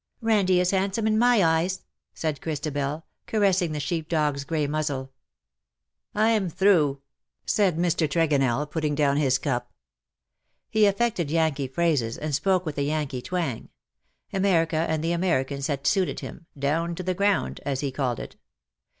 ^^ "Randie is handsome in my eyes," said Christabel^ caressing the sheep dog's grey muzzle. " I'm through," said Mr. Tregonell, putting down his cup. He affected Yankee phrases, and spoke with a Yankee twang. America and the Americans had suited him, " down to the ground," as he called it.